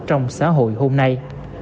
trong xã hội hôm nay